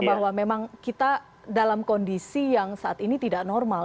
bahwa memang kita dalam kondisi yang saat ini tidak normal